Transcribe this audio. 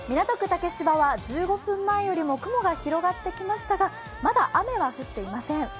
竹芝は１５分前よりも雲が広がってきましたがまだ雨は降っていません。